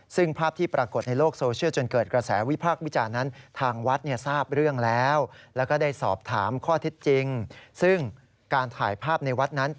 ซึ่งภาพที่ปรากฏในโลกโซเชียลจนเกิดกระแสวิทธิบาลวิจารณ์นั้น